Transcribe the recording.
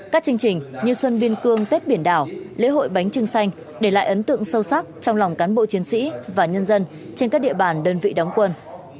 các chương trình như xuân biên cương tết biển đảo lễ hội bánh trưng xanh để lại ấn tượng sâu sắc trong lòng cán bộ chiến sĩ và nhân dân trên các địa bàn đơn vị đóng quân